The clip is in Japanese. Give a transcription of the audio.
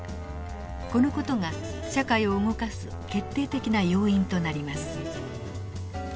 この事が社会を動かす決定的な要因となります。